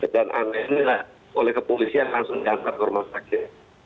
dan anaknya oleh kepolisian langsung diangkat ke rumah sakit